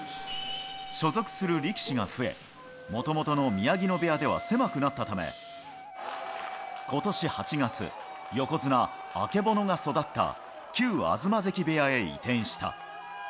所属する力士が増え、もともとの宮城野部屋では狭くなったため、ことし８月、横綱・曙が育った、旧東関部屋へ移転した。